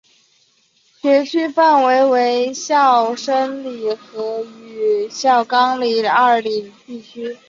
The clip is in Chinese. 学区范围为孝深里与孝冈里二里地区。